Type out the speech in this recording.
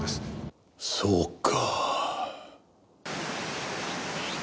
そうか。